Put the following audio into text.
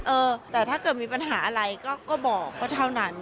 เออแต่ถ้าเกิดมีปัญหาอะไรก็บอกก็เท่านั้น